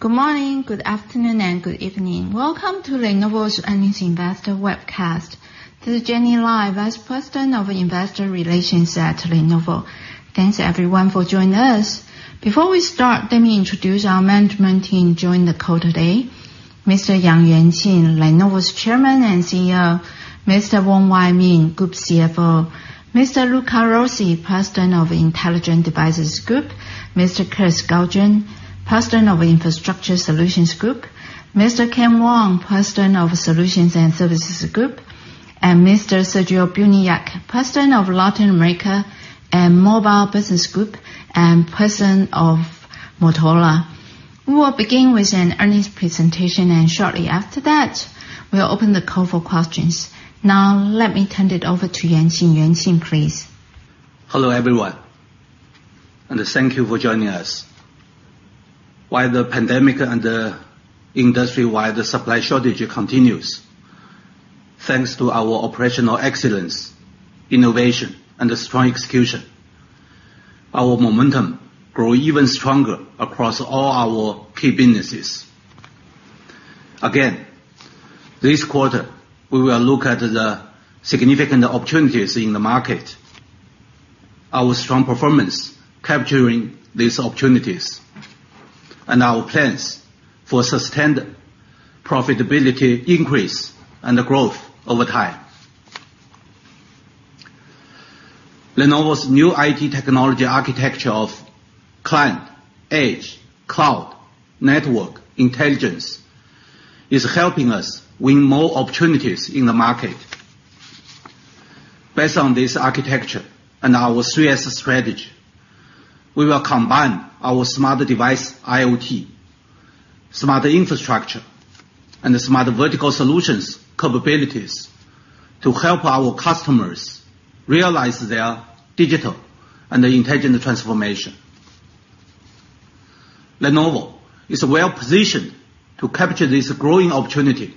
Good morning, good afternoon, and good evening. Welcome to Lenovo's Earnings Investor Webcast. This is Jenny Lai, Vice President of Investor Relations at Lenovo. Thanks everyone for joining us. Before we start, let me introduce our management team joining the call today. Mr. Yang Yuanqing, Lenovo's Chairman and CEO. Mr. Wong Wai Ming, Group CFO. Mr. Luca Rossi, President of Intelligent Devices Group. Mr. Kirk Skaugen, President of Infrastructure Solutions Group. Mr. Ken Wong, President of Solutions and Services Group. And Mr. Sergio Buniac, President of Latin America and Mobile Business Group, and President of Motorola. We will begin with an earnings presentation, and shortly after that, we'll open the call for questions. Now, let me turn it over to Yuanqing. Yuanqing, please. Hello, everyone, and thank you for joining us. While the pandemic and the industry-wide supply shortage continues, thanks to our operational excellence, innovation, and strong execution, our momentum grow even stronger across all our key businesses. This quarter, we will look at the significant opportunities in the market, our strong performance capturing these opportunities, and our plans for sustained profitability increase and growth over time. Lenovo's new IT technology architecture of client, edge, cloud, network, intelligence is helping us win more opportunities in the market. Based on this architecture and our 3S strategy, we will combine our smart device IoT, smart infrastructure, and smart vertical solutions capabilities to help our customers realize their digital and intelligent transformation. Lenovo is well-positioned to capture this growing opportunity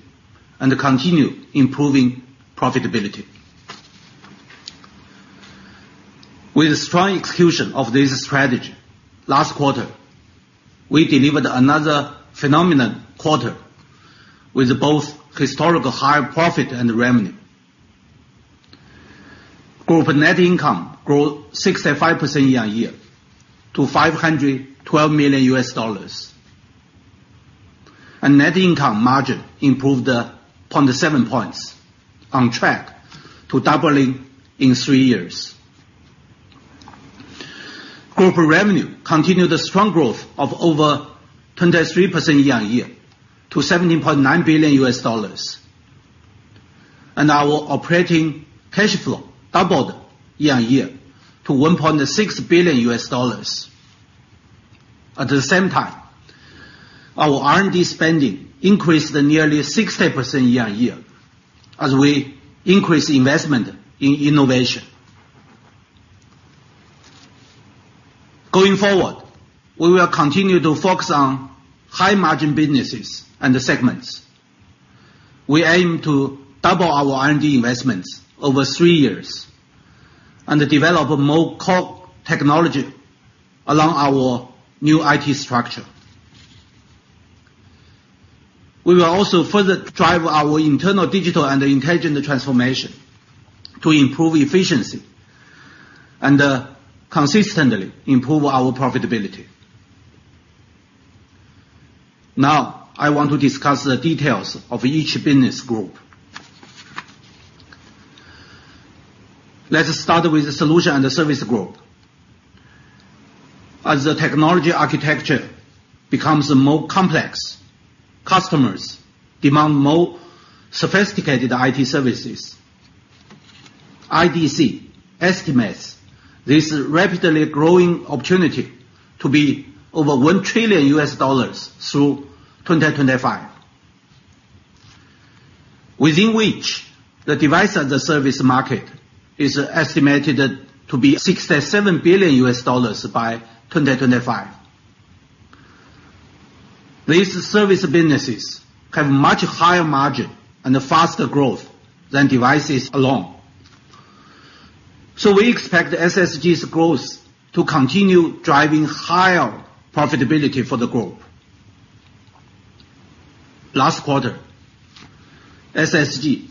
and continue improving profitability. With strong execution of this strategy, last quarter, we delivered another phenomenal quarter with both historical high profit and revenue. Group net income grew 65% year-on-year to $512 million. Net income margin improved to 7 points, on track to doubling in 3 years. Group revenue continued a strong growth of over 23% year-on-year to $17.9 billion. Our operating cash flow doubled year-on-year to $1.6 billion. At the same time, our R&D spending increased nearly 60% year-on-year as we increased investment in innovation. Going forward, we will continue to focus on high-margin businesses and segments. We aim to double our R&D investments over 3 years and develop more core technology along our new IT structure. We will also further drive our internal digital and intelligent transformation to improve efficiency and consistently improve our profitability. Now, I want to discuss the details of each business group. Let us start with the Solutions and Services Group. As the technology architecture becomes more complex, customers demand more sophisticated IT services. IDC estimates this rapidly growing opportunity to be over $1 trillion through 2025. Within which, the device and the service market is estimated to be $67 billion by 2025. These service businesses have much higher margin and faster growth than devices alone. We expect SSG's growth to continue driving higher profitability for the group. Last quarter, SSG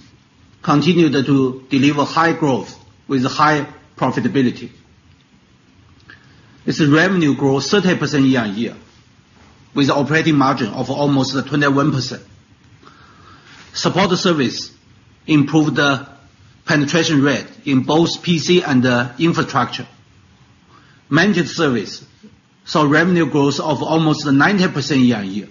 continued to deliver high growth with high profitability. Its revenue grew 30% year-on-year, with operating margin of almost 21%. Support service improved the penetration rate in both PC and infrastructure. Managed service saw revenue growth of almost 90% year-on-year.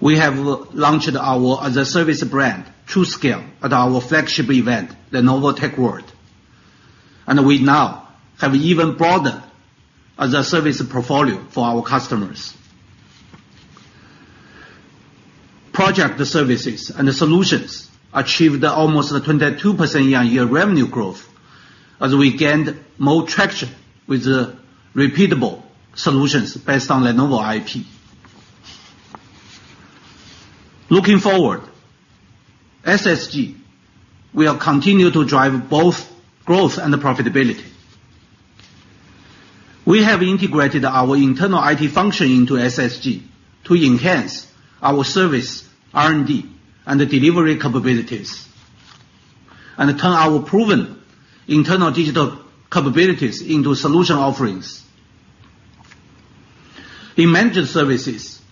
We have launched our as-a-service brand, TruScale, at our flagship event, Lenovo Tech World. We now have even broader as-a-service portfolio for our customers. Project services and solutions achieved almost 22% year-on-year revenue growth as we gained more traction with repeatable solutions based on Lenovo IP. Looking forward, SSG will continue to drive both growth and profitability. We have integrated our internal IT function into SSG to enhance our service, R&D, and delivery capabilities, and turn our proven internal digital capabilities into solution offerings. In managed services,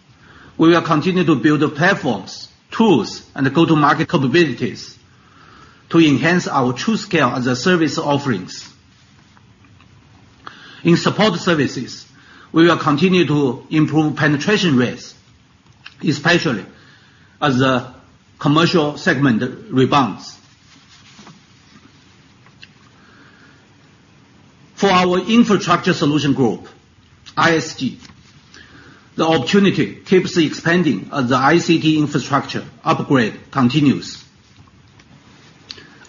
we will continue to build platforms, tools, and go-to-market capabilities to enhance our TruScale as-a-service offerings. In support services, we will continue to improve penetration rates, especially as a commercial segment rebounds. For our Infrastructure Solutions Group, ISG, the opportunity keeps expanding as the ICT infrastructure upgrade continues.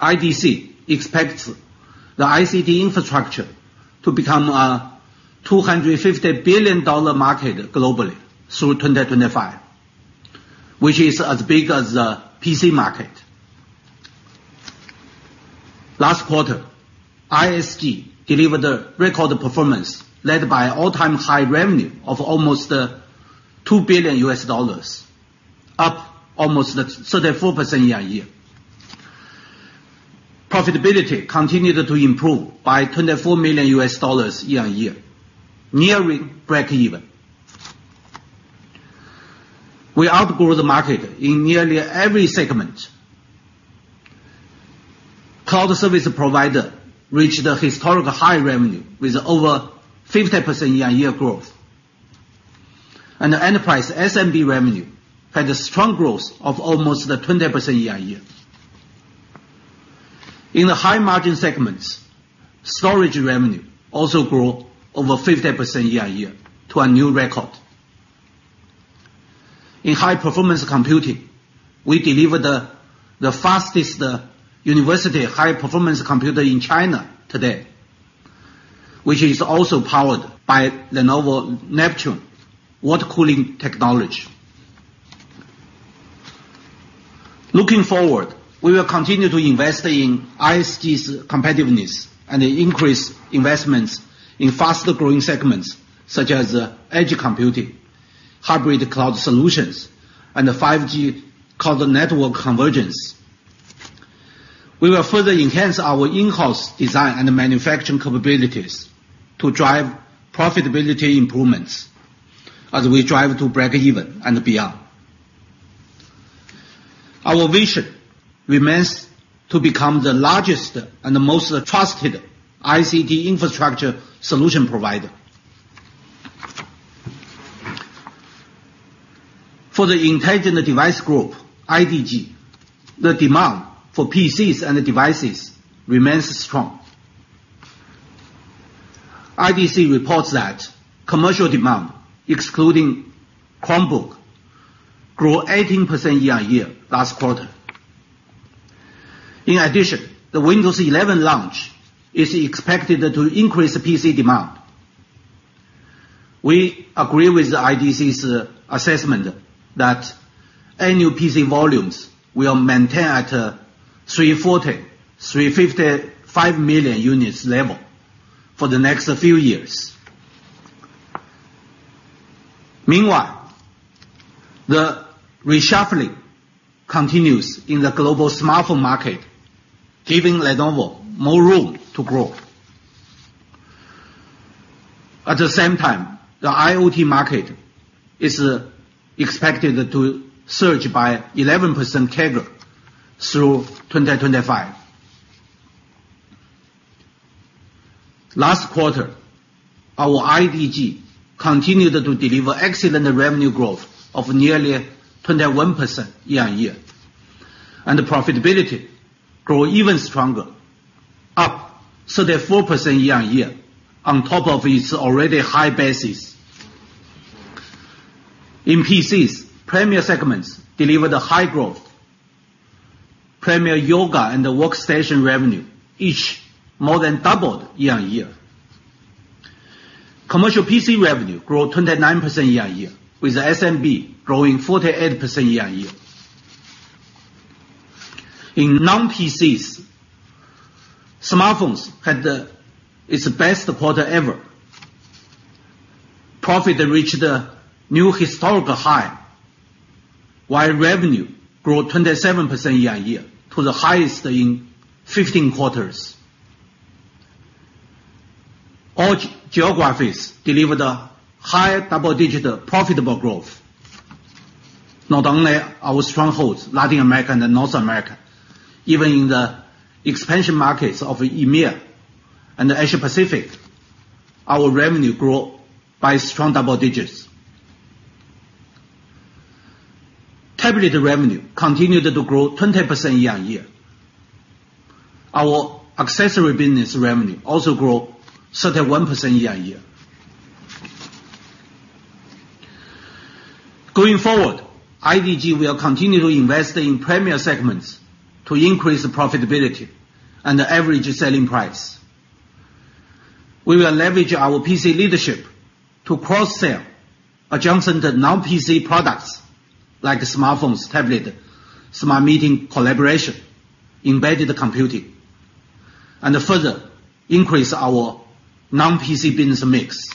IDC expects the ICT infrastructure to become a $250 billion market globally through 2025, which is as big as the PC market. Last quarter, ISG delivered a record performance led by all-time high revenue of almost $2 billion, up almost 34% year-on-year. Profitability continued to improve by $24 million year-on-year, nearing breakeven. We outgrew the market in nearly every segment. Cloud service provider reached a historical high revenue with over 50% year-on-year growth. The enterprise SMB revenue had a strong growth of almost 20% year-on-year. In the high-margin segments, storage revenue also grew over 50% year-on-year to a new record. In high-performance computing, we delivered the fastest university high-performance computer in China today, which is also powered by the Lenovo Neptune water cooling technology. Looking forward, we will continue to invest in ISG's competitiveness and increase investments in faster-growing segments such as edge computing, hybrid cloud solutions, and 5G cloud network convergence. We will further enhance our in-house design and manufacturing capabilities to drive profitability improvements as we drive to breakeven and beyond. Our vision remains to become the largest and most trusted ICT infrastructure solution provider. For the Intelligent Devices Group, IDG, the demand for PCs and devices remains strong. IDC reports that commercial demand, excluding Chromebook, grew 18% year-on-year last quarter. In addition, the Windows 11 launch is expected to increase PC demand. We agree with the IDC's assessment that annual PC volumes will maintain at a 340-355 million units level for the next few years. Meanwhile, the reshuffling continues in the global smartphone market, giving Lenovo more room to grow. At the same time, the IoT market is expected to surge by 11% CAGR through 2025. Last quarter, our IDG continued to deliver excellent revenue growth of nearly 21% year-on-year. The profitability grew even stronger, up 34% year-on-year on top of its already high bases. In PCs, premium segments delivered high growth. Premium Yoga and the workstation revenue each more than doubled year-on-year. Commercial PC revenue grew 29% year-on-year, with SMB growing 48% year-on-year. In non-PCs, smartphones had its best quarter ever. Profit reached a new historical high, while revenue grew 27% year-on-year to the highest in 15 quarters. All geographies delivered a high double-digit profitable growth. Not only our strongholds, Latin America and North America, even in the expansion markets of EMEA and Asia-Pacific, our revenue grew by strong double digits. Tablet revenue continued to grow 20% year-on-year. Our accessory business revenue also grew 31% year-on-year. Going forward, IDG will continue to invest in premier segments to increase profitability and average selling price. We will leverage our PC leadership to cross-sell adjacent non-PC products like smartphones, tablet, smart meeting collaboration, embedded computing, and further increase our non-PC business mix.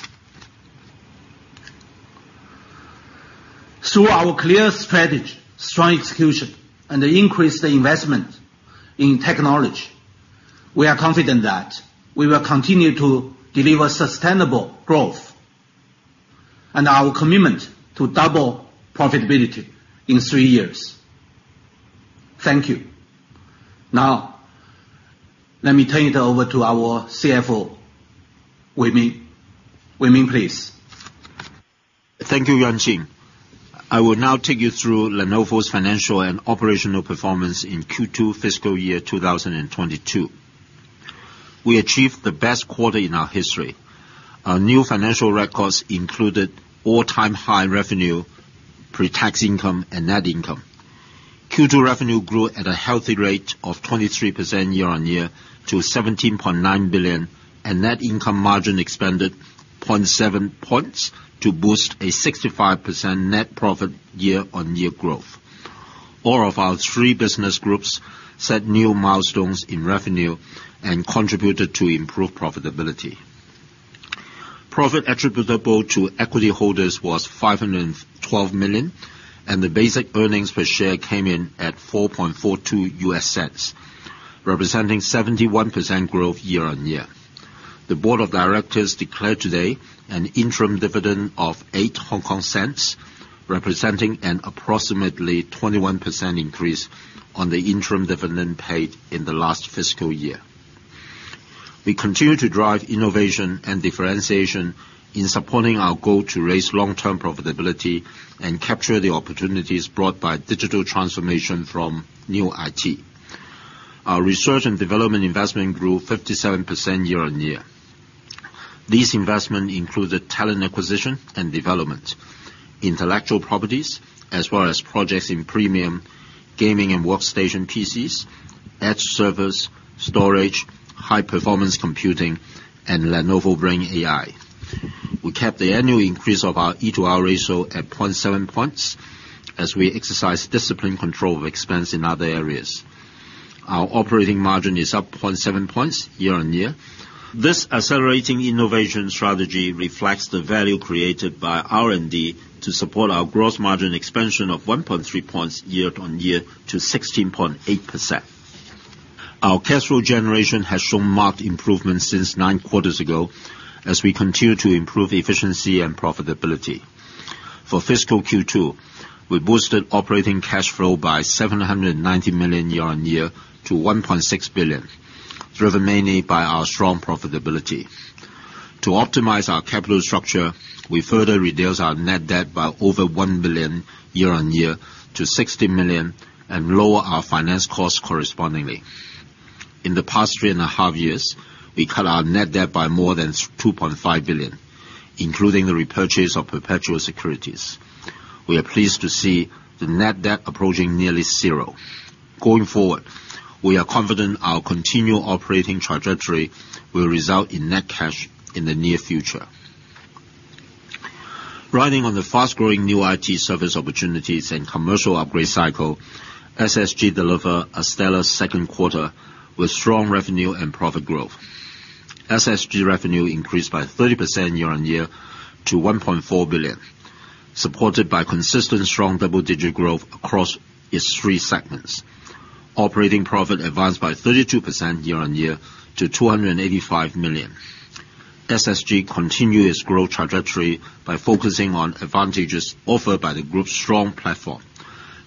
Through our clear strategy, strong execution, and increased investment in technology, we are confident that we will continue to deliver sustainable growth and our commitment to double profitability in three years. Thank you. Now, let me turn it over to our CFO, Wong Wai Ming. Wong Wai Ming, please. Thank you, Yuanqing. I will now take you through Lenovo's financial and operational performance in Q2 fiscal year 2022. We achieved the best quarter in our history. Our new financial records included all-time high revenue, pre-tax income, and net income. Q2 revenue grew at a healthy rate of 23% year-on-year to $17.9 billion, and net income margin expanded 0.7 points, to boost a 65% net profit year-on-year growth. All of our three business groups set new milestones in revenue and contributed to improved profitability. Profit attributable to equity holders was $512 million, and the basic earnings per share came in at $0.0442, representing 71% growth year-on-year. The board of directors declared today an interim dividend of 0.08, representing an approximately 21% increase on the interim dividend paid in the last fiscal year. We continue to drive innovation and differentiation in supporting our goal to raise long-term profitability and capture the opportunities brought by digital transformation from new IT. Our research and development investment grew 57% year-on-year. These investments included talent acquisition and development, intellectual property, as well as projects in premium gaming and workstation PCs, edge servers, storage, high performance computing, and Lenovo Brain AI. We kept the annual increase of our E/R ratio at 0.7 points as we exercise disciplined control of expenses in other areas. Our operating margin is up 0.7 points year-on-year. This accelerating innovation strategy reflects the value created by R&D to support our gross margin expansion of 1.3 points year-on-year to 16.8%. Our cash flow generation has shown marked improvement since 9 quarters ago as we continue to improve efficiency and profitability. For fiscal Q2, we boosted operating cash flow by $790 million year-on-year to $1.6 billion, driven mainly by our strong profitability. To optimize our capital structure, we further reduced our net debt by over $1 billion year-on-year to $60 million and lower our finance costs correspondingly. In the past three and a half years, we cut our net debt by more than $2.5 billion, including the repurchase of perpetual securities. We are pleased to see the net debt approaching nearly zero. Going forward, we are confident our continued operating trajectory will result in net cash in the near future. Riding on the fast-growing new IT service opportunities and commercial upgrade cycle, SSG delivered a stellar second quarter with strong revenue and profit growth. SSG revenue increased by 30% year-over-year to $1.4 billion, supported by consistent strong double-digit growth across its three segments. Operating profit advanced by 32% year-over-year to $285 million. SSG continue its growth trajectory by focusing on advantages offered by the group's strong platform,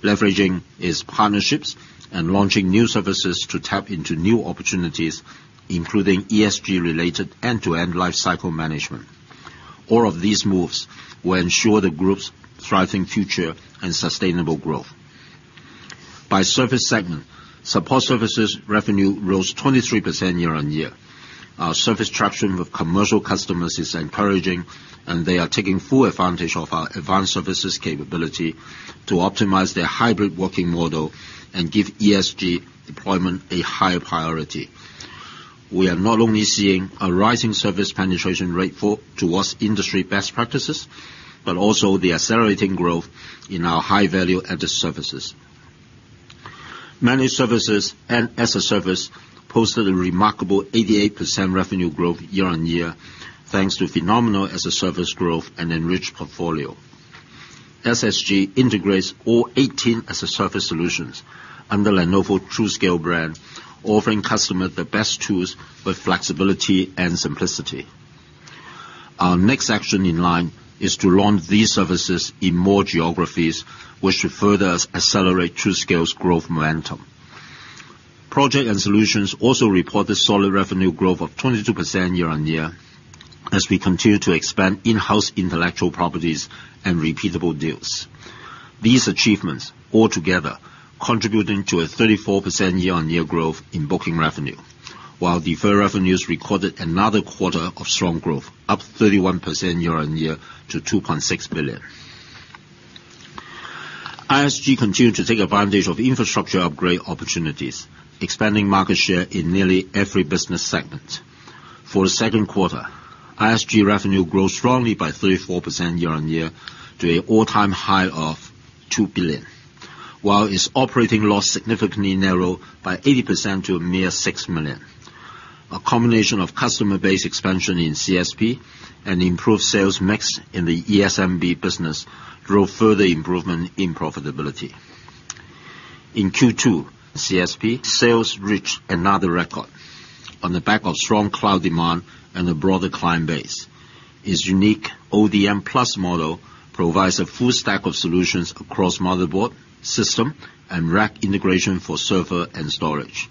leveraging its partnerships and launching new services to tap into new opportunities, including ESG-related end-to-end lifecycle management. All of these moves will ensure the group's thriving future and sustainable growth. By service segment, support services revenue rose 23% year-over-year. Our service traction with commercial customers is encouraging, and they are taking full advantage of our advanced services capability to optimize their hybrid working model and give ESG deployment a higher priority. We are not only seeing a rising service penetration rate moving towards industry best practices, but also the accelerating growth in our high-value added services. Managed services and as-a-service posted a remarkable 88% revenue growth year-on-year, thanks to phenomenal as-a-service growth and enriched portfolio. SSG integrates all 18 as-a-service solutions under Lenovo TruScale brand, offering customers the best tools with flexibility and simplicity. Our next action in line is to launch these services in more geographies, which should further accelerate TruScale's growth momentum. Projects and Solutions also reported solid revenue growth of 22% year-on-year as we continue to expand in-house intellectual properties and repeatable deals. These achievements altogether contributing to a 34% year-on-year growth in booking revenue. While deferred revenues recorded another quarter of strong growth, up 31% year-on-year to $2.6 billion. ISG continued to take advantage of infrastructure upgrade opportunities, expanding market share in nearly every business segment. For the second quarter, ISG revenue grew strongly by 34% year-on-year to an all-time high of $2 billion. While its operating loss significantly narrowed by 80% to a mere $6 million. A combination of customer base expansion in CSP and improved sales mix in the ESMB business drove further improvement in profitability. In Q2, CSP sales reached another record on the back of strong cloud demand and a broader client base. Its unique ODM+ model provides a full stack of solutions across motherboard, system, and rack integration for server and storage.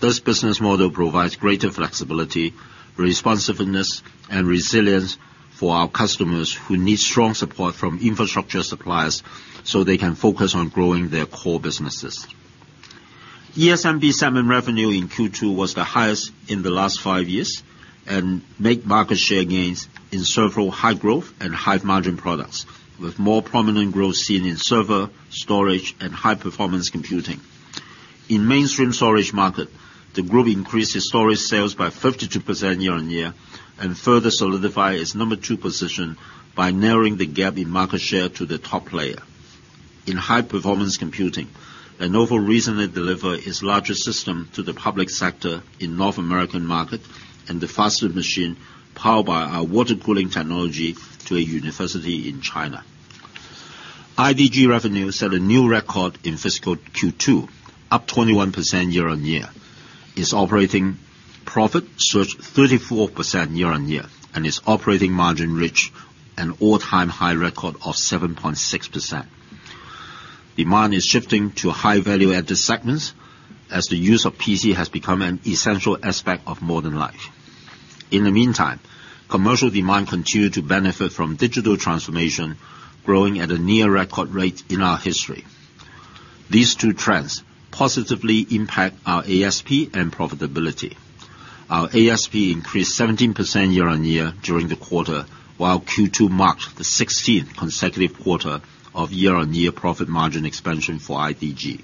This business model provides greater flexibility, responsiveness, and resilience for our customers who need strong support from infrastructure suppliers, so they can focus on growing their core businesses. ESMB segment revenue in Q2 was the highest in the last five years and made market share gains in several high-growth and high-margin products, with more prominent growth seen in server, storage, and high-performance computing. In mainstream storage market, the group increased its storage sales by 52% year-on-year and further solidified its number two position by narrowing the gap in market share to the top player. In high-performance computing, Lenovo recently delivered its largest system to the public sector in North American market and the fastest machine powered by our water cooling technology to a university in China. IDG revenue set a new record in fiscal Q2, up 21% year-on-year. Its operating profit surged 34% year-on-year, and its operating margin reached an all-time high record of 7.6%. Demand is shifting to high-value-added segments as the use of PCs has become an essential aspect of modern life. In the meantime, commercial demand continued to benefit from digital transformation, growing at a near-record rate in our history. These two trends positively impact our ASP and profitability. Our ASP increased 17% year-on-year during the quarter, while Q2 marked the 16th consecutive quarter of year-on-year profit margin expansion for IDG.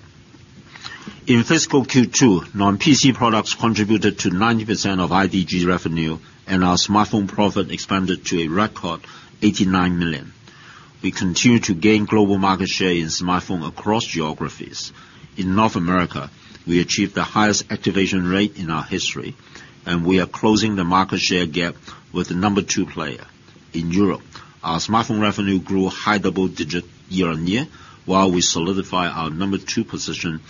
In fiscal Q2, non-PC products contributed to 90% of IDG's revenue, and our smartphone profit expanded to a record $89 million. We continue to gain global market share in smartphone across geographies. In North America, we achieved the highest activation rate in our history, and we are closing the market share gap with the number two player. In Europe, our smartphone revenue grew high double-digit year-on-year, while we solidify our number two position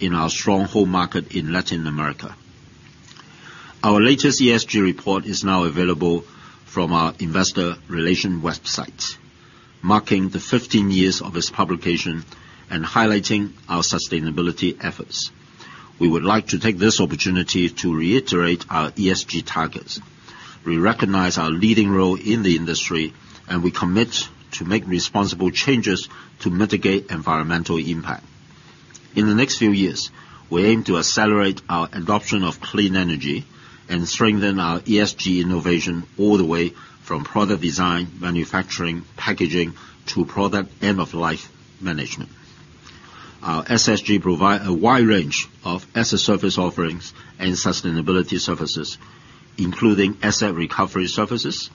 in our strong home market in Latin America. Our latest ESG report is now available from our investor relations website, marking the 15 years of its publication and highlighting our sustainability efforts. We would like to take this opportunity to reiterate our ESG targets. We recognize our leading role in the industry, and we commit to make responsible changes to mitigate environmental impact. In the next few years, we aim to accelerate our adoption of clean energy and strengthen our ESG innovation all the way from product design, manufacturing, packaging, to product end-of-life management. Our SSG provides a wide range of as-a-service offerings and sustainability services, including asset recovery services.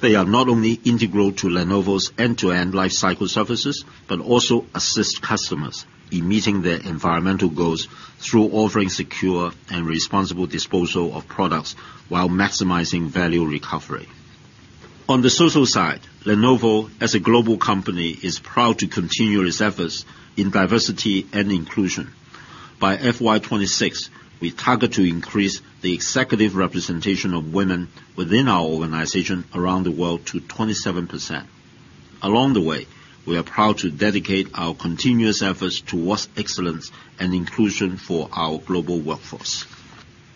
They are not only integral to Lenovo's end-to-end lifecycle services, but also assist customers in meeting their environmental goals through offering secure and responsible disposal of products while maximizing value recovery. On the social side, Lenovo, as a global company, is proud to continue its efforts in diversity and inclusion. By FY 2026, we target to increase the executive representation of women within our organization around the world to 27%. Along the way, we are proud to dedicate our continuous efforts towards excellence and inclusion for our global workforce.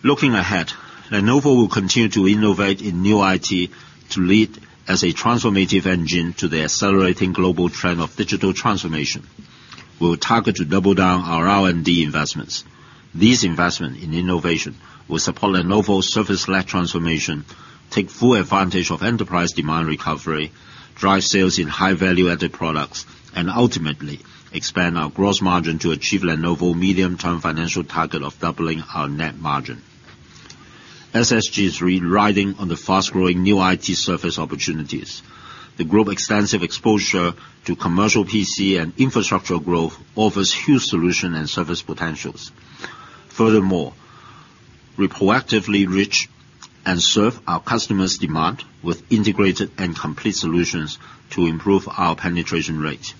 Looking ahead, Lenovo will continue to innovate in new IT to lead as a transformative engine to the accelerating global trend of digital transformation. We will target to double down our R&D investments. These investments in innovation will support Lenovo's service-led transformation, take full advantage of enterprise demand recovery, drive sales in high value-added products, and ultimately expand our gross margin to achieve Lenovo's medium-term financial target of doubling our net margin. SSG is riding on the fast-growing new IT service opportunities. The group's extensive exposure to commercial PC and infrastructure growth offers huge solution and service potentials. Furthermore, we proactively reach and serve our customers' demand with integrated and complete solutions to improve our penetration rate.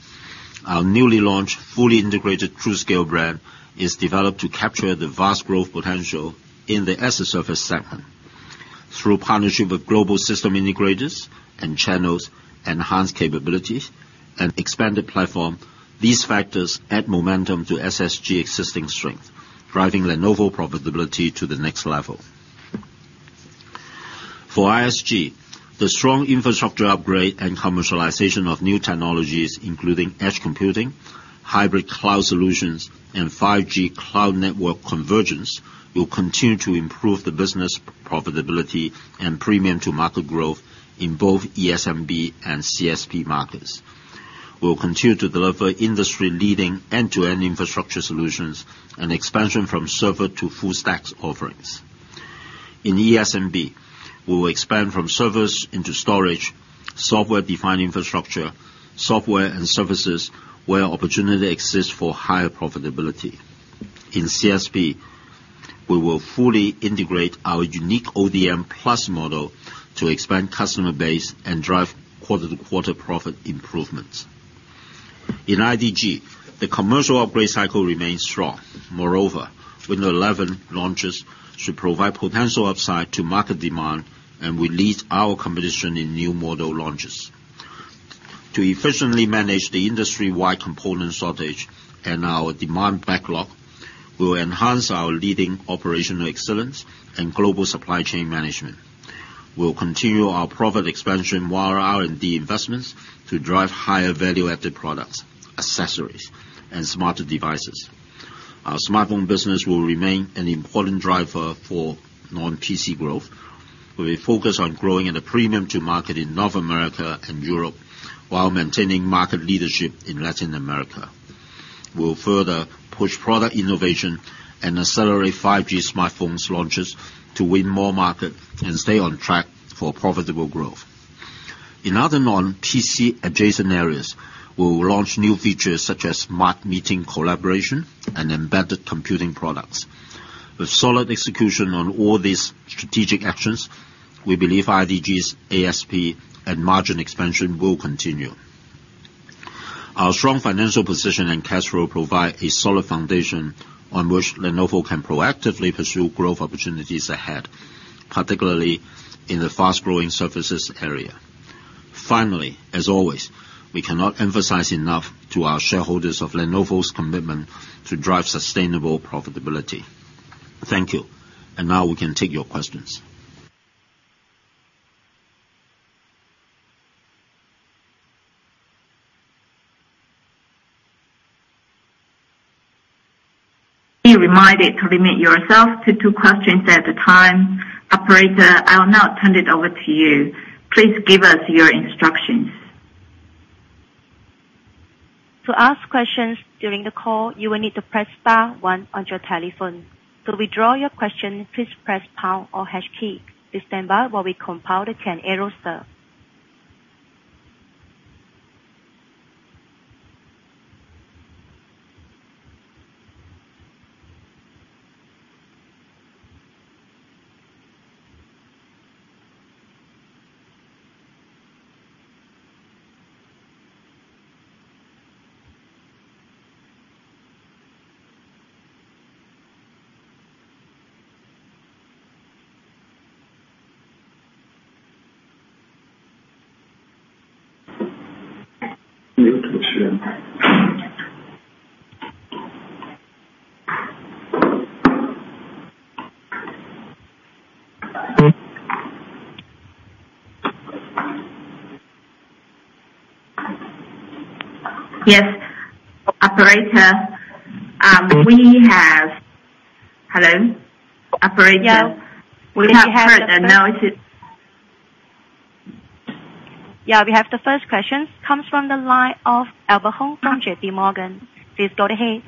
Our newly launched, fully integrated TruScale brand is developed to capture the vast growth potential in the as-a-service segment. Through partnerships with global system integrators and channels, enhanced capabilities, and expanded platform, these factors add momentum to SSG's existing strength, driving Lenovo profitability to the next level. For ISG, the strong infrastructure upgrade and commercialization of new technologies, including edge computing, hybrid cloud solutions and 5G cloud network convergence will continue to improve the business profitability and premium to market growth in both ESMB and CSP markets. We'll continue to deliver industry-leading end-to-end infrastructure solutions and expansion from server to full-stack offerings. In ESMB, we will expand from servers into storage, software-defined infrastructure, software and services where opportunity exists for higher profitability. In CSP, we will fully integrate our unique ODM+ model to expand customer base and drive quarter-to-quarter profit improvements. In IDG, the commercial upgrade cycle remains strong. Moreover, Windows 11 launches should provide potential upside to market demand, and we lead our competition in new model launches. To efficiently manage the industry-wide component shortage and our demand backlog, we'll enhance our leading operational excellence and global supply chain management. We'll continue our profit expansion while making R&D investments to drive higher value-added products, accessories, and smarter devices. Our smartphone business will remain an important driver for non-PC growth. We're focused on growing at a premium to market in North America and Europe while maintaining market leadership in Latin America. We'll further push product innovation and accelerate 5G smartphone launches to win more market and stay on track for profitable growth. In other non-PC adjacent areas, we will launch new features such as smart meeting collaboration and embedded computing products. With solid execution on all these strategic actions, we believe IDG's ASP and margin expansion will continue. Our strong financial position and cash flow provide a solid foundation on which Lenovo can proactively pursue growth opportunities ahead, particularly in the fast-growing services area. Finally, as always, we cannot emphasize enough to our shareholders of Lenovo's commitment to drive sustainable profitability. Thank you. Now we can take your questions. Be reminded to limit yourself to two questions at a time. Operator, I'll now turn it over to you. Please give us your instructions. To ask questions during the call, you will need to press star one on your telephone. To withdraw your question, please press pound or hash key. Please stand by while we compile the ten Yes. Operator, Hello? Operator. We have heard that. Now is it? Yeah, we have the first question. Comes from the line of Albert Hung from J.P. Morgan. Please go ahead.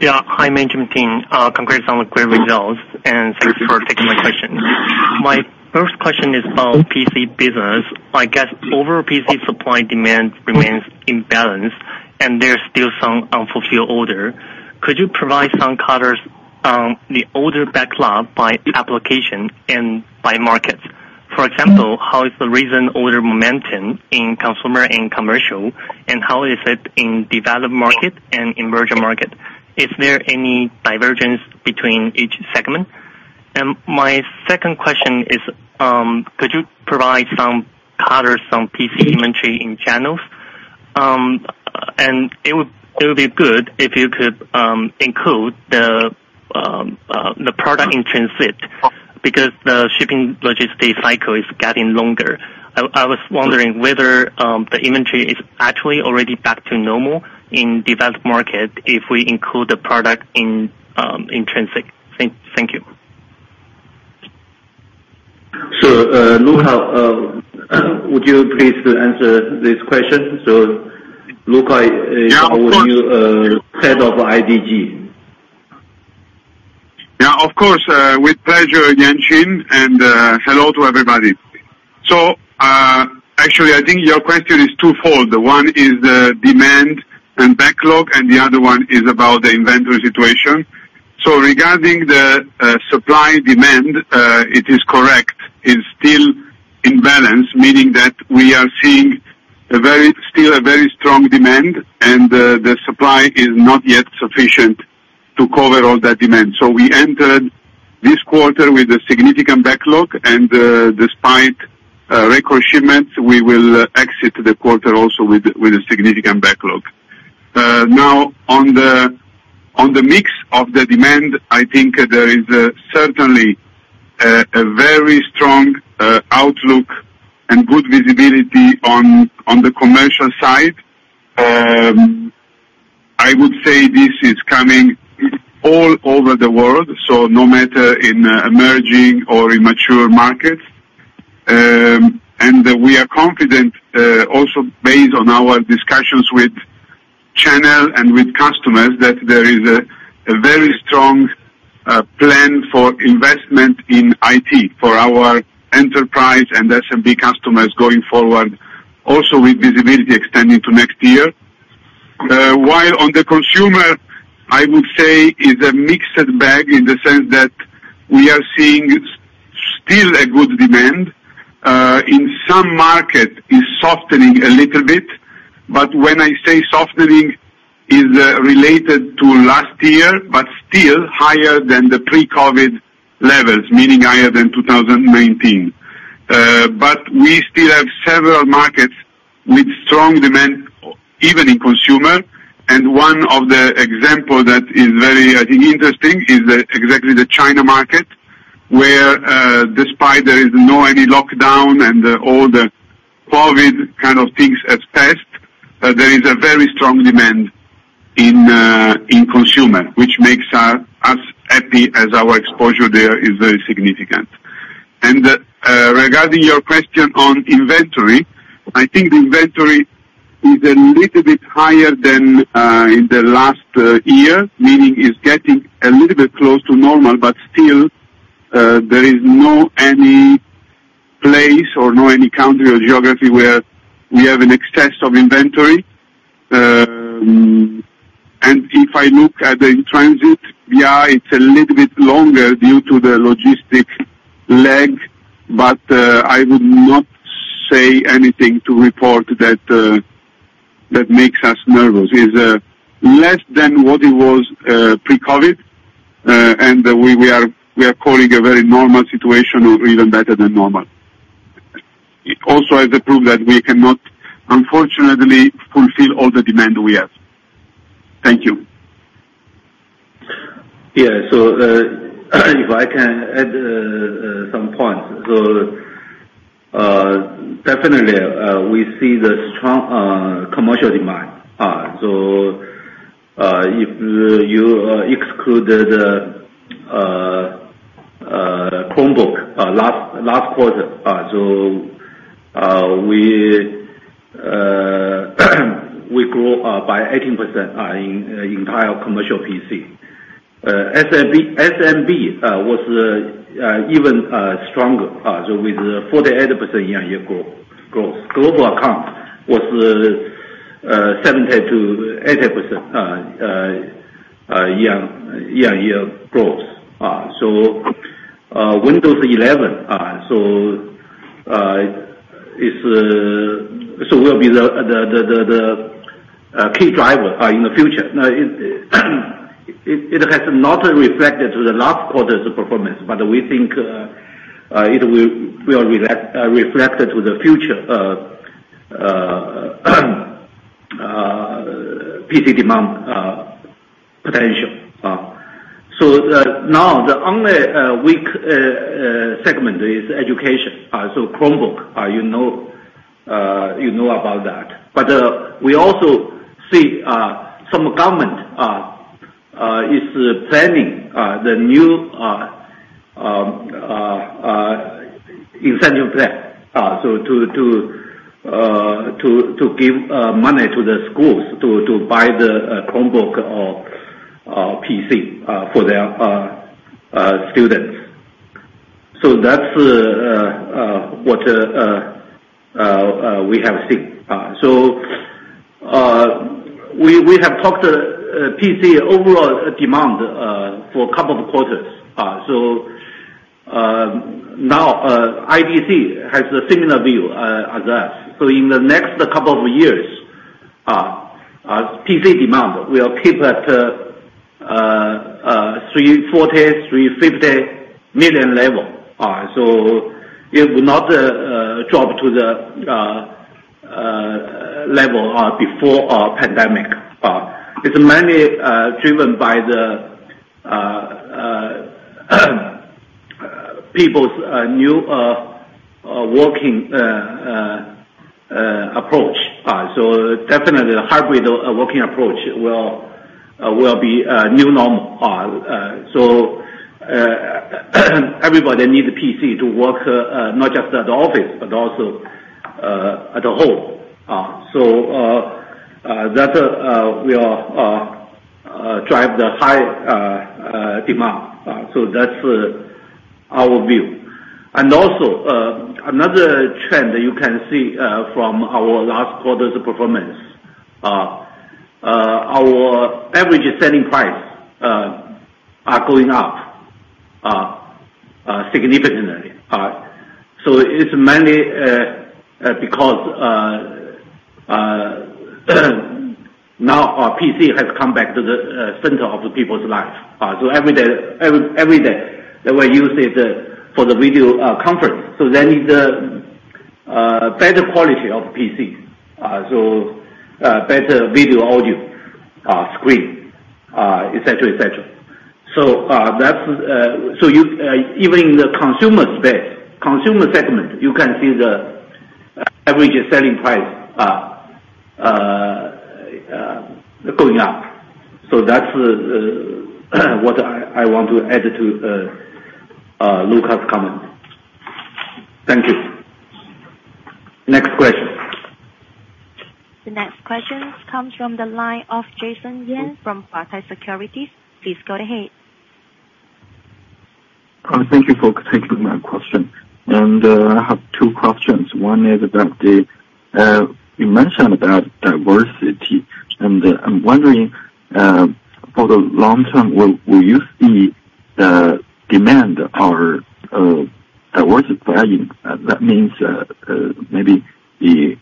Yeah. Hi, management team. Congrats on the great results, and thanks for taking my question. My first question is about PC business. I guess overall PC supply demand remains imbalanced and there's still some unfulfilled order. Could you provide some color on the order backlog by application and by markets? For example, how is the recent order momentum in consumer and commercial, and how is it in developed markets and emerging markets? Is there any divergence between each segment? My second question is, could you provide some color on PC inventory in channels? It would be good if you could include the product in transit because the shipping logistics cycle is getting longer. I was wondering whether the inventory is actually already back to normal in developed markets if we include the product in transit. Thank you. Luca, would you please answer this question? Yeah, of course. Are you head of IDG? Yeah, of course. With pleasure, Yuanqing, and hello to everybody. Actually, I think your question is twofold. One is demand and backlog, and the other one is about the inventory situation. Regarding the supply demand, it is correct. It's still imbalanced, meaning that we are seeing a very strong demand and the supply is not yet sufficient to cover all that demand. We entered this quarter with a significant backlog and despite record shipments, we will exit the quarter also with a significant backlog. On the mix of the demand, I think there is certainly a very strong outlook and good visibility on the commercial side. I would say this is coming all over the world, so no matter in emerging or in mature markets. We are confident, also based on our discussions with channel and with customers that there is a very strong plan for investment in IT for our enterprise and SMB customers going forward, also with visibility extending to next year. While on the consumer, I would say is a mixed bag in the sense that we are seeing still a good demand. In some markets it's softening a little bit, but when I say softening, is related to last year, but still higher than the pre-COVID levels, meaning higher than 2019. We still have several markets with strong demand, even in consumer. One of the example that is very, I think interesting, is exactly the China market, where despite there is no any lockdown and all the COVID kind of things has passed, there is a very strong demand in consumer, which makes us happy as our exposure there is very significant. Regarding your question on inventory, I think the inventory is a little bit higher than in the last year, meaning it's getting a little bit close to normal. Still, there is no any place or no any country or geography where we have an excess of inventory. If I look at the in-transit, it's a little bit longer due to the logistic lag, but I would not say anything to report that makes us nervous. It is less than what it was pre-COVID, and we are calling a very normal situation or even better than normal. It also is the proof that we cannot unfortunately fulfill all the demand we have. Thank you. If I can add some points. Definitely, we see the strong commercial demand. If you excluded Chromebook last quarter, we grow by 18% in entire commercial PC. SMB was even stronger, so with 48% year-on-year growth. Global account was 70%-80% year-on-year growth. Windows 11, so it will be the key driver in the future. Now it has not reflected to the last quarter's performance, but we think it will reflect to the future PC demand potential. Now the only weak segment is education. Chromebook, you know about that. We also see some government is planning the new incentive plan to give money to the schools to buy the Chromebook or PC for their students. That's what we have seen. We have talked PC overall demand for a couple of quarters. Now IDC has a similar view as us. In the next couple of years PC demand will keep at 340-350 million level. It will not drop to the level before pandemic. It's mainly driven by the people's new working approach. Definitely the hybrid working approach will be a new normal. Everybody needs a PC to work, not just at the office, but also at home. That drives the high demand. That's our view. Also, another trend you can see from our last quarter's performance, our average selling price are going up significantly. It's mainly because now our PC has come back to the center of the people's lives. Every day they will use it for the video conference. They need better quality of PC. Better video, audio, screen, et cetera, et cetera. That's so you even in the consumer space, consumer segment, you can see the average selling price going up. That's what I want to add to Luca's comment. Thank you. Next question. The next question comes from the line of Jason Yan from Bohai Securities. Please go ahead. Thank you for taking my question. I have two questions. One is about the diversity you mentioned, and I'm wondering, for the long term, will you see the demand or diverse value? That means, maybe the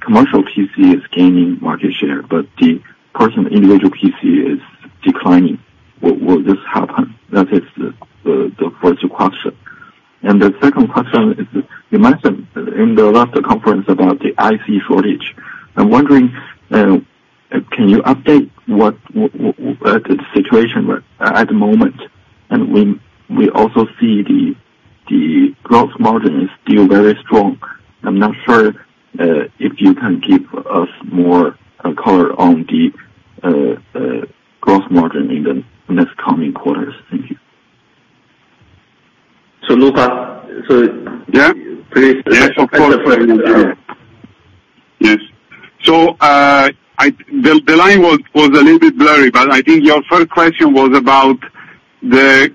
commercial PC is gaining market share, but the personal individual PC is declining. Will this happen? That is the first question. The second question is, you mentioned in the last conference about the IC shortage. I'm wondering, can you update what the situation at the moment? We also see the gross margin is still very strong. I'm not sure if you can give us more color on the gross margin in the next coming quarters. Thank you. Luca. Yeah. Please. Yes, of course. Yes. The line was a little bit blurry, but I think your first question was about the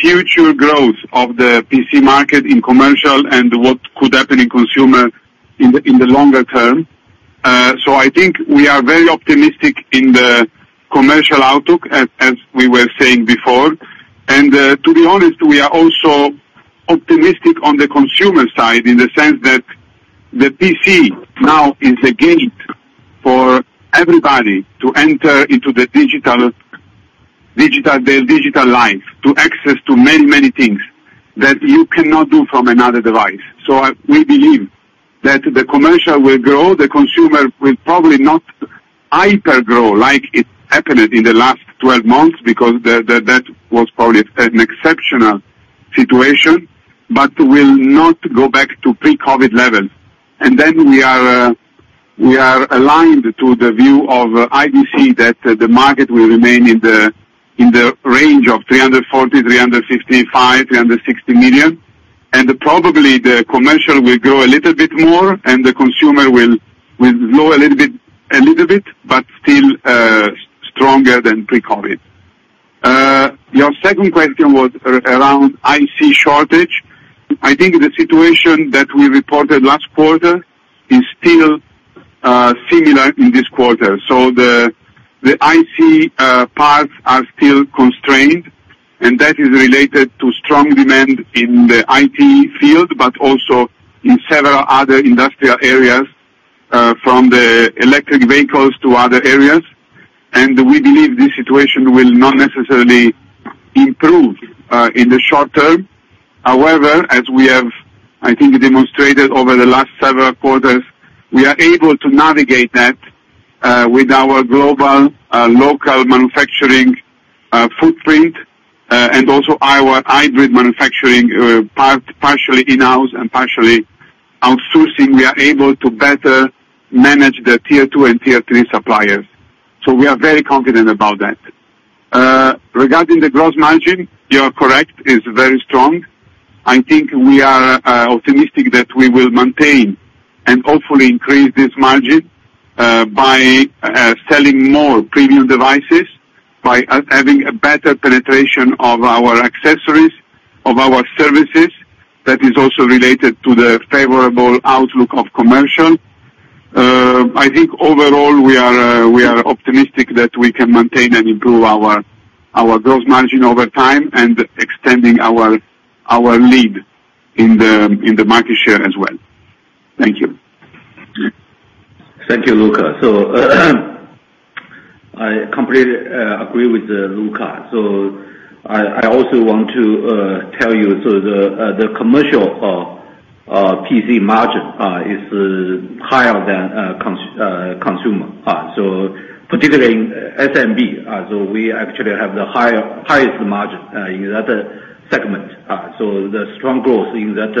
future growth of the PC market in commercial and what could happen in consumer in the longer term. I think we are very optimistic in the commercial outlook, as we were saying before. To be honest, we are also optimistic on the consumer side in the sense that the PC now is a gate for everybody to enter into the digital life, to access many things that you cannot do from another device. We believe that the commercial will grow, the consumer will probably not hyper-grow like it happened in the last 12 months because that was probably an exceptional situation, but will not go back to pre-COVID levels. We are aligned to the view of IDC that the market will remain in the range of 340, 355, 360 million. Probably the commercial will grow a little bit more and the consumer will grow a little bit, but still stronger than pre-COVID. Your second question was around IC shortage. I think the situation that we reported last quarter is still similar in this quarter. So the IC parts are still constrained, and that is related to strong demand in the IT field, but also in several other industrial areas, from the electric vehicles to other areas. We believe this situation will not necessarily improve in the short term. However, as we have, I think, demonstrated over the last several quarters, we are able to navigate that with our global local manufacturing footprint and also our hybrid manufacturing partially in-house and partially outsourcing. We are able to better manage the tier two and tier three suppliers. We are very confident about that. Regarding the gross margin, you are correct, it's very strong. I think we are optimistic that we will maintain and hopefully increase this margin by selling more premium devices, by having a better penetration of our accessories, of our services. That is also related to the favorable outlook of commercial. I think overall we are optimistic that we can maintain and improve our gross margin over time and extending our lead in the market share as well. Thank you. Thank you, Luca. I completely agree with Luca. I also want to tell you, the commercial PC margin is higher than consumer, particularly SMB. We actually have the highest margin in that segment. The strong growth in that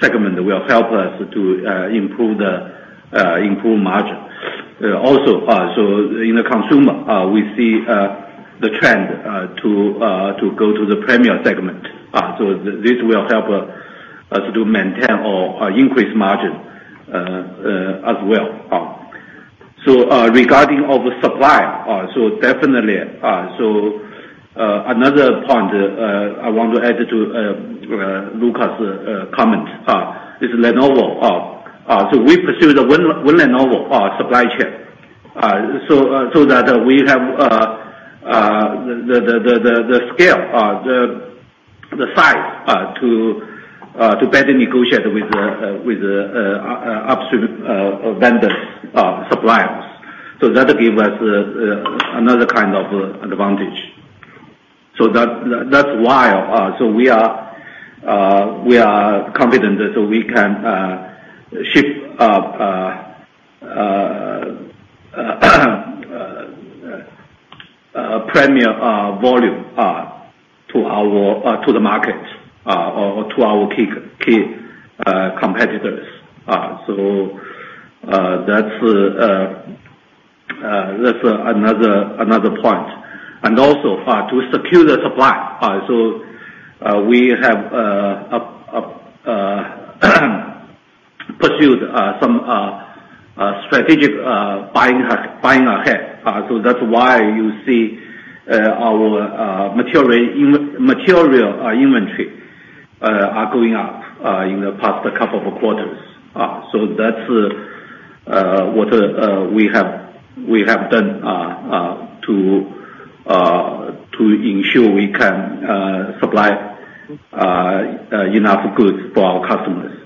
segment will help us to improve margin. Also, in the consumer, we see the trend to go to the premium segment. This will help us to maintain or increase margin as well. Regarding supply, definitely. Another point I want to add to Luca's comment is Lenovo. We pursue the Lenovo supply chain. that we have the scale, the size to better negotiate with the upstream vendors, suppliers. That gives us another kind of advantage. That's why we are confident that we can ship premier volume to the market, or to our key competitors. That's another point. To secure the supply, we have pursued some strategic buying ahead. That's why you see our material inventory are going up in the past couple of quarters. That's what we have done to ensure we can supply enough goods for our customers.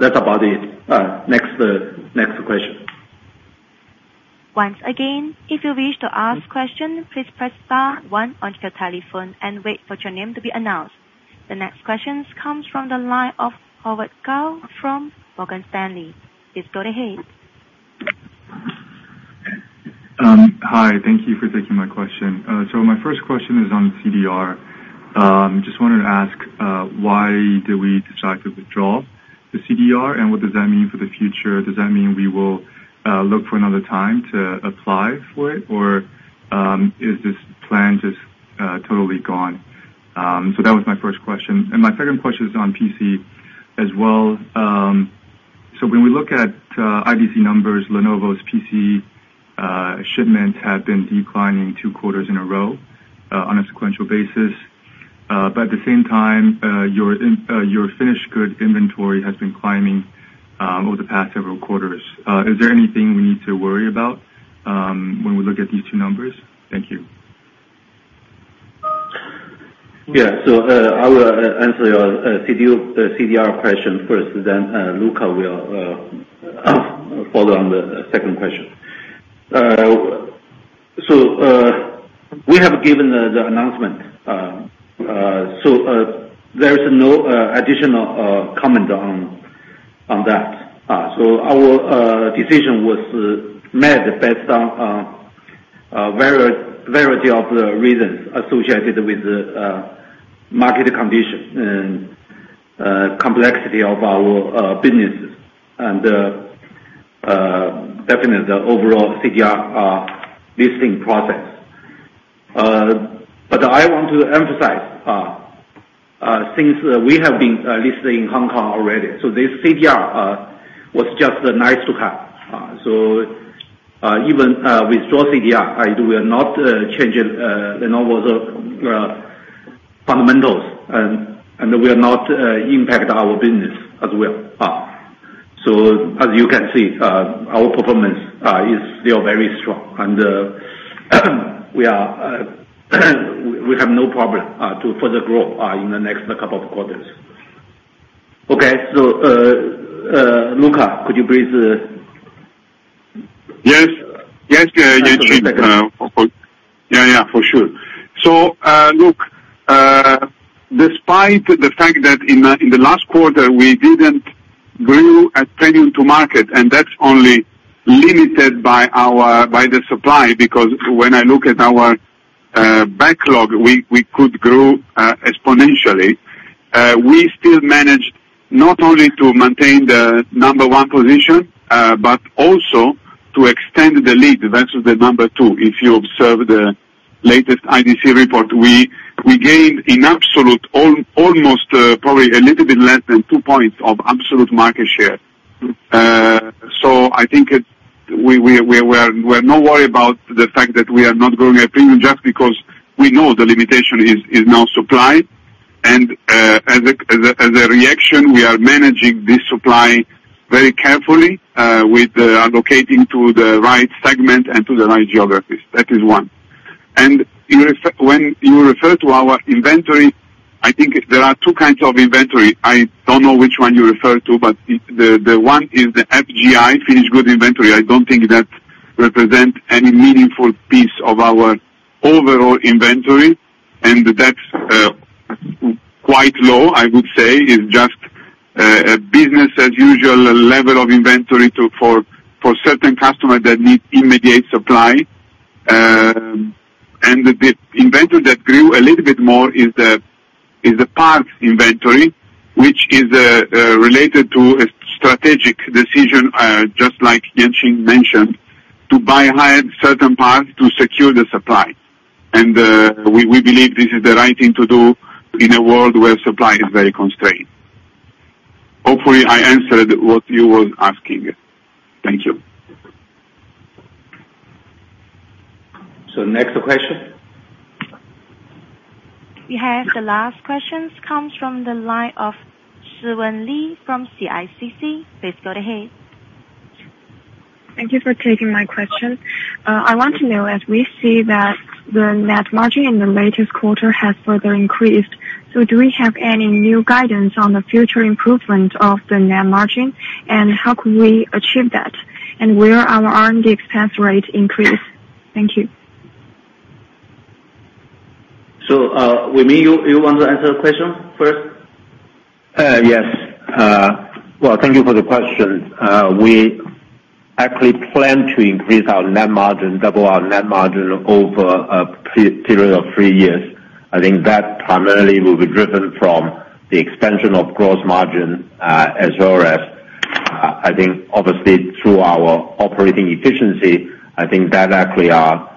That's about it. Next question. Once again, if you wish to ask question, please press star one on your telephone and wait for your name to be announced. The next question comes from the line of Howard Kao from Morgan Stanley. Please go ahead. Hi. Thank you for taking my question. My first question is on CDR. Just wanted to ask, why did we decide to withdraw the CDR, and what does that mean for the future? Does that mean we will look for another time to apply for it? Is this plan just totally gone? That was my first question. My second question is on PC as well. When we look at IDC numbers, Lenovo's PC shipments have been declining two quarters in a row, on a sequential basis. At the same time, your finished goods inventory has been climbing over the past several quarters. Is there anything we need to worry about when we look at these two numbers? Thank you. Yeah. I will answer your CDR question first, then Luca will follow on the second question. We have given the announcement. There is no additional comment on that. Our decision was made based on a variety of reasons associated with market condition and complexity of our businesses and definitely the overall CDR listing process. I want to emphasize, since we have been listed in Hong Kong already, this CDR was just nice to have. Even withdrawn CDR, we are not changing Lenovo's fundamentals and we are not impact our business as well. As you can see, our performance is still very strong. We have no problem to further grow in the next couple of quarters. Okay. Luca, could you please, Yes, Yuanqing. Yeah, for sure. Look, despite the fact that in the last quarter we didn't grow at premium to market, and that's only limited by the supply, because when I look at our backlog, we could grow exponentially. We still manage not only to maintain the number one position, but also to extend the lead versus the number two. If you observe the latest IDC report, we gained in absolute almost probably a little bit less than 2 points of absolute market share. I think we're not worried about the fact that we are not growing at premium just because we know the limitation is now supply. As a reaction, we are managing this supply very carefully with allocating to the right segment and to the right geographies. That is one. When you refer to our inventory, I think there are two kinds of inventory. I don't know which one you refer to, but the one is the FGI, finished good inventory. I don't think that represent any meaningful piece of our overall inventory. That's quite low, I would say. It's just a business as usual level of inventory for certain customers that need immediate supply. The inventory that grew a little bit more is the parts inventory, which is related to a strategic decision, just like Yuanqing mentioned, to buy higher certain parts to secure the supply. We believe this is the right thing to do in a world where supply is very constrained. Hopefully, I answered what you were asking. Thank you. Next question. We have the last questions. Comes from the line of Siwen Li from CICC. Please go ahead. Thank you for taking my question. I want to know, as we see that the net margin in the latest quarter has further increased, so do we have any new guidance on the future improvement of the net margin? How could we achieve that? Will our R&D expense rate increase? Thank you. Wai Ming, you want to answer the question first? Yes. Well, thank you for the question. We actually plan to increase our net margin, double our net margin over a period of 3 years. I think that primarily will be driven from the expansion of gross margin, as well as, I think obviously through our operating efficiency, I think that actually are the two.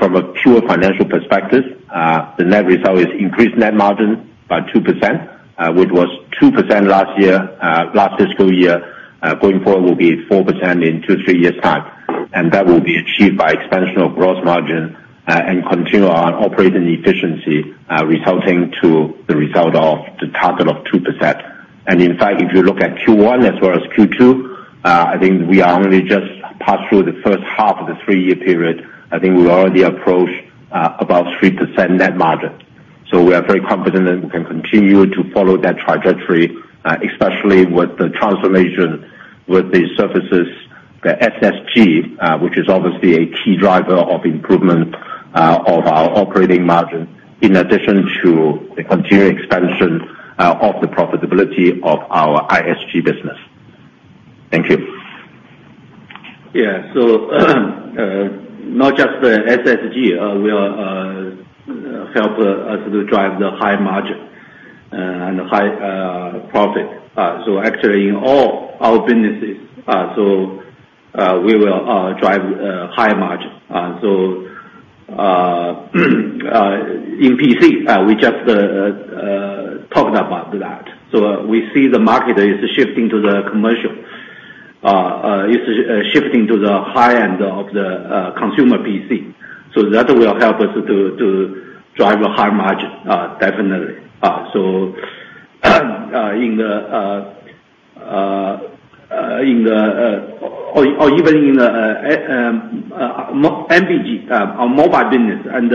From a pure financial perspective, the net result is increased net margin by 2%, which was 2% last year, last fiscal year. Our net margin going forward will be 4% in 2-3 years time, and that will be achieved by expansion of gross margin, and continue on operating efficiency, resulting to the result of the target of 2%. In fact, if you look at Q1 as well as Q2, I think we are only just passed through the first half of the three-year period. I think we already approached about 3% net margin. We are very confident that we can continue to follow that trajectory, especially with the transformation with the services, the SSG, which is obviously a key driver of improvement of our operating margin, in addition to the continued expansion of the profitability of our ISG business. Thank you. Yeah. Not just the SSG will help us to drive the high margin and the high profit. Actually in all our businesses, we will drive high margin. In PC, we just talked about that. We see the market is shifting to the commercial, shifting to the high end of the consumer PC. That will help us to drive a high margin, definitely. Or even in the MBG, our mobile business and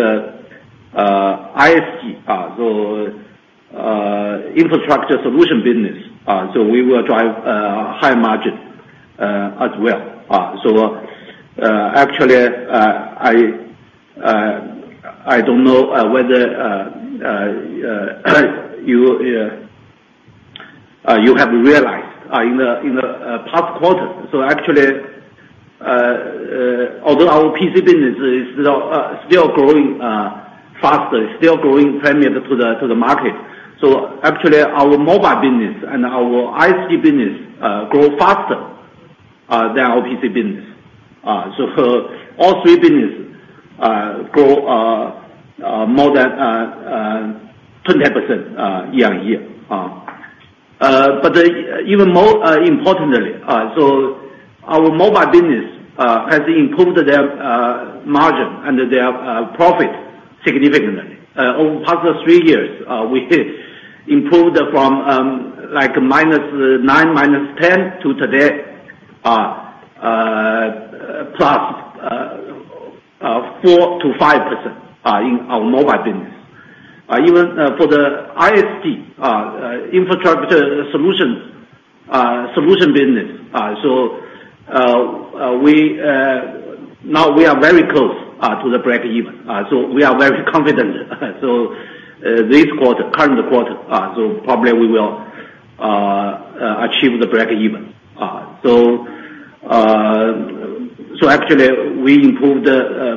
ISG, infrastructure solutions business. We will drive high margin as well. Actually, I don't know whether you have realized in the past quarter. Actually, although our PC business is still growing faster, still growing premium to the market, our mobile business and our ISG business grow faster than our PC business. For all three business grow more than 20% year-on-year. Even more importantly, our mobile business has improved their margin and their profit significantly. Over the past three years, we improved from like -9, -10 to today plus 4%-5% in our mobile business. Even for the ISG Infrastructure Solutions business. We now are very close to the breakeven. We are very confident. This quarter, current quarter, probably we will achieve the breakeven. Actually we improved the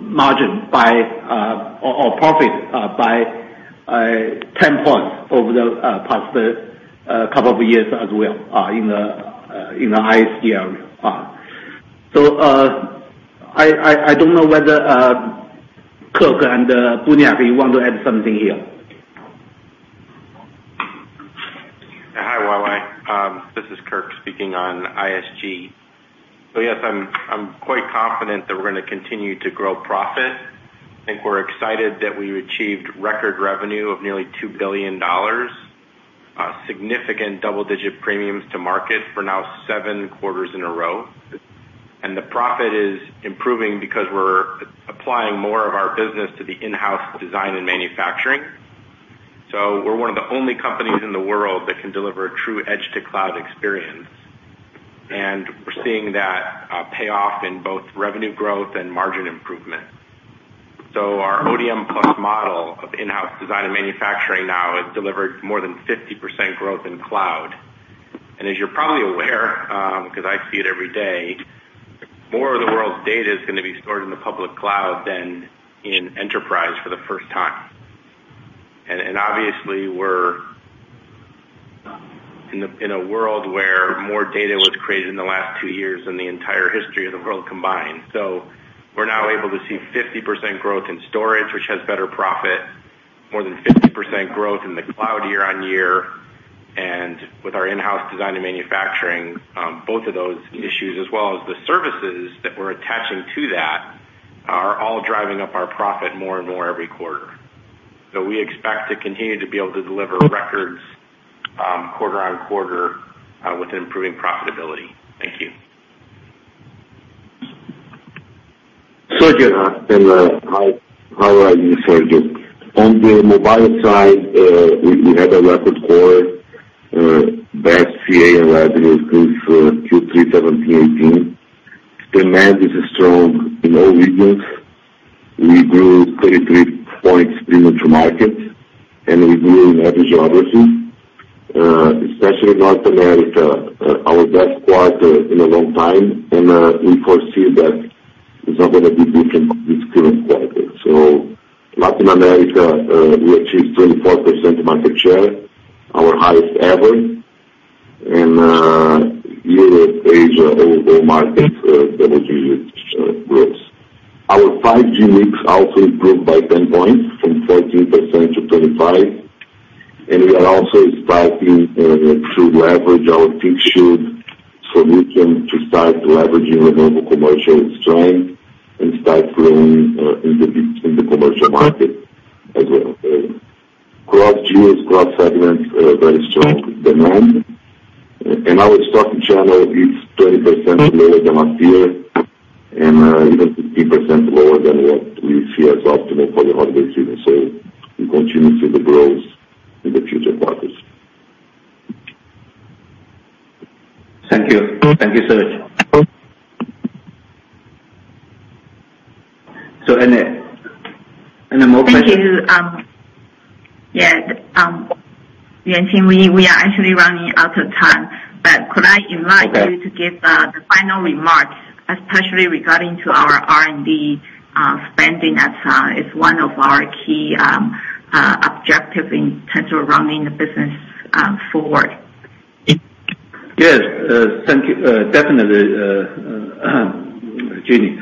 margin or profit by 10 points over the past couple of years as well in the ISG area. I don't know whether Kirk and Sergio Buniac, if you want to add something here. Hi, Siwen. This is Kirk speaking on ISG. Yes, I'm quite confident that we're gonna continue to grow profit. I think we're excited that we achieved record revenue of nearly $2 billion, significant double-digit premiums to market for now 7 quarters in a row. The profit is improving because we're applying more of our business to the in-house design and manufacturing. We're one of the only companies in the world that can deliver a true edge to cloud experience. We're seeing that pay off in both revenue growth and margin improvement. Our ODM+ model of in-house design and manufacturing now has delivered more than 50% growth in cloud. As you're probably aware, 'cause I see it every day, more of the world's data is gonna be stored in the public cloud than in enterprise for the first time. Obviously we're in a world where more data was created in the last two years than the entire history of the world combined. We're now able to see 50% growth in storage, which has better profit, more than 50% growth in the cloud year-on-year. With our in-house design and manufacturing, both of those issues, as well as the services that we're attaching to that, are all driving up our profit more and more every quarter. We expect to continue to be able to deliver records, quarter-on-quarter, with improving profitability. Thank you. Sergio Buniac, and hi. How are you, Sergio Buniac? On the mobile side, we had a record quarter, best quarter in revenues since Q3 2017-18. Demand is strong in all regions. We grew 23 points premium to market, and we grew in every geography, especially North America. Our best quarter in a long time, and we foresee that it's not gonna be different this current quarter. Latin America, we achieved 24% market share, our highest ever. Europe, Asia, all markets, double-digit growth. Our 5G mix also improved by 10 points from 14% to 25%, and we are also starting to leverage our ThinkShield solution to start leveraging Lenovo commercial strength and start growing in the commercial market as well. Cross use, cross segment, very strong demand. Our stock channel is 20% lower than last year and even 15% lower than what we see as optimal for the holiday season. We continue to see the growth in the future quarters. Thank you. Thank you, Sergio. Any more questions? Thank you, yeah, Yuanqing, we are actually running out of time, but could I invite you- Okay. To give the final remarks, especially regarding to our R&D spending as one of our key objective in terms of running the business forward. Yes. Thank you. Definitely, Jenny.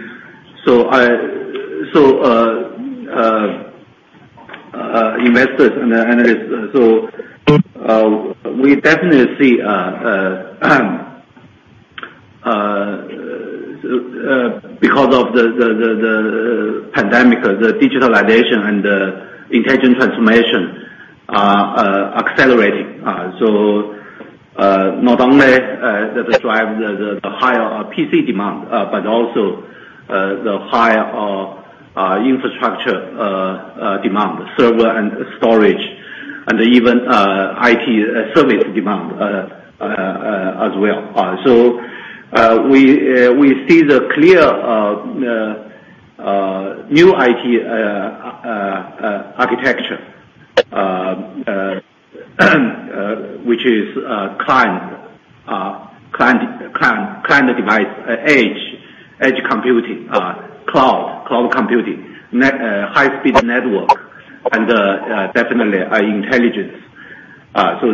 Investors and analysts, we definitely see, because of the pandemic, the digitalization and the intelligent transformation are accelerating. Not only does it drive the higher PC demand, but also the higher infrastructure demand. Server and storage and even IT service demand as well. We see the clear new IT architecture, which is client device, edge computing, cloud computing, high speed network and definitely intelligence.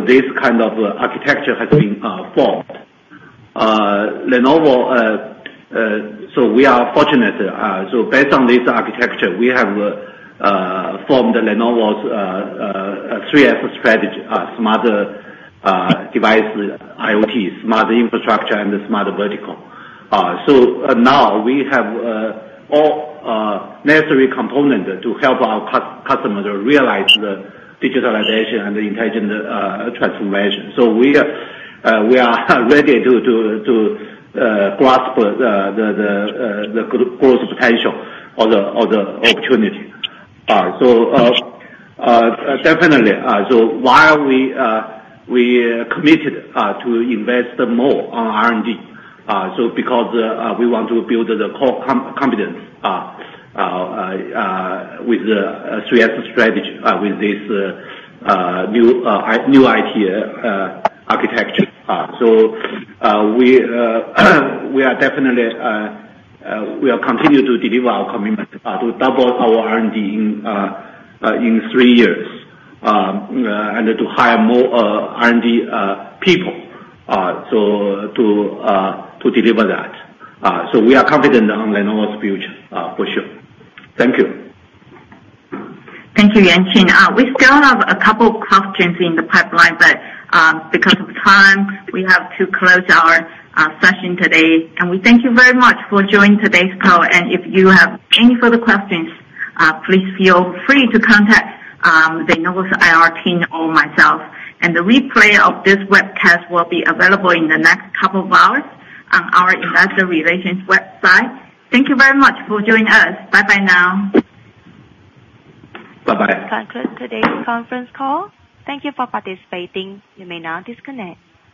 This kind of architecture has been formed. Lenovo, we are fortunate. Based on this architecture, we have formed Lenovo's 3S strategy: Smart IoT, Smart Infrastructure and Smart Verticals. Now we have all necessary components to help our customers realize the digitalization and the intelligent transformation. We are ready to grasp the growth potential or the opportunity. Definitely. While we are committed to invest more on R&D because we want to build the core competence with the 3S strategy, with this new IT architecture. We are definitely continuing to deliver our commitment to double our R&D in three years and to hire more R&D people so to deliver that. We are confident on Lenovo's future for sure. Thank you. Thank you, Yuanqing. We still have a couple of questions in the pipeline, but because of time, we have to close our session today. We thank you very much for joining today's call. If you have any further questions, please feel free to contact the Lenovo's IR team or myself. The replay of this webcast will be available in the next couple of hours on our investor relations website. Thank you very much for joining us. Bye-bye now. Bye-bye. That concludes today's conference call. Thank you for participating. You may now disconnect.